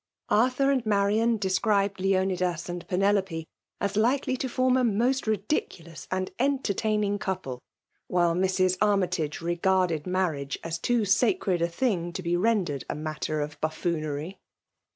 Arthur and Marian described Leonidas and Ptaelope as likely to form a most ridiculous and entertain ing couple ; while Mrs. Armytage regarded b2 4 FmiAJLE marriage as too sacred a thing to be tendered a.matteir of buffix>nery.